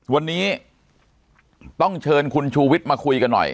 วันนี้ต้องเชิญคุณชูวิทย์มาคุยกันหน่อย